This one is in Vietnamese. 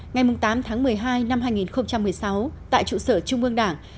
ngày tám tháng một mươi hai năm hai nghìn một mươi sáu tại trụ sở trung ương đảng